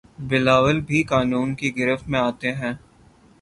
بلاول بھی قانون کی گرفت میں آتے ہیں